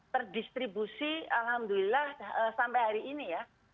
terdistribusi alhamdulillah sampai hari ini ya